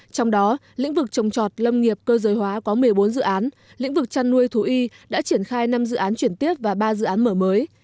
trong đó lĩnh vực trồng trọt lâm nghiệp cơ giới hóa có một mươi bốn dự án lĩnh vực chăn nuôi thú y đã triển khai năm dự án chuyển tiếp và ba dự án mở mới